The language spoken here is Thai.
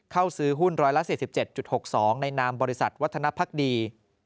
ซื้อหุ้น๑๔๗๖๒ในนามบริษัทวัฒนภักดี